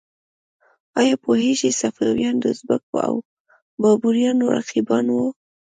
ایا پوهیږئ صفویان د ازبکو او بابریانو رقیبان وو؟